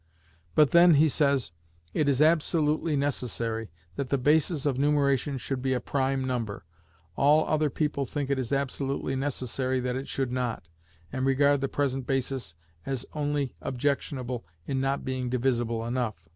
But then, he says, it is absolutely necessary that the basis of numeration should be a prime number. All other people think it absolutely necessary that it should not, and regard the present basis as only objectionable in not being divisible enough.